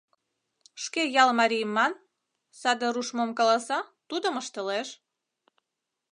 Шке ял марий, ман, саде руш мом каласа, тудым ыштылеш.